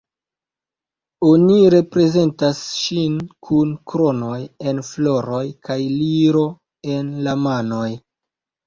Oni reprezentas ŝin kun kronoj el floroj kaj liro en la manoj.